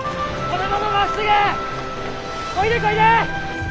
こいでこいで！